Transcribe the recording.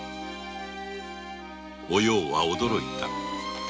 お葉は驚いた。